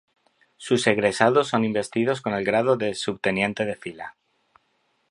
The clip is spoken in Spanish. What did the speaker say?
Sus egresados son investidos con el grado de "Subteniente de Fila".